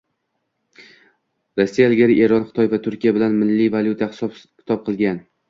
Rossiya ilgari Eron, Xitoy va Turkiya bilan milliy valyutada hisob -kitob qilgan